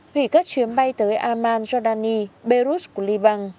hủy các chuyến bay tới amman jordani belarus của liban